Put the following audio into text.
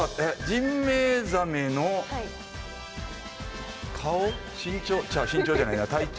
「ジンベエザメ」の「顔」「身長」違う「身長」じゃないな。